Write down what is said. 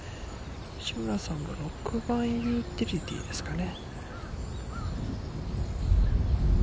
西村さんは６番ユーティリティーですかね。